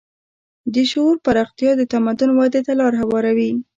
د شعور پراختیا د تمدن ودې ته لاره هواروي.